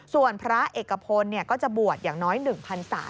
ส่วนพระเอกพลก็จะบวชอย่างน้อย๑๓๐๐